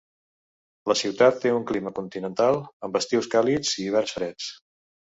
La ciutat té un clima continental, amb estius càlids i hiverns freds.